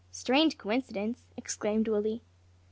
"Strange coincidence!" exclaimed Willie.